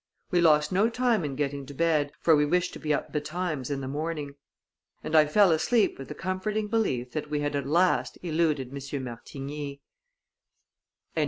We lost no time in getting to bed; for we wished to be up betimes in the morning, and I fell asleep with the comforting belief that we had at last eluded Monsieur Martigny.